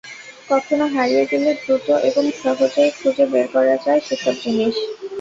কখনো হারিয়ে গেলে দ্রুত এবং সহজেই খুঁজে বের করা যায় সেসব জিনিস।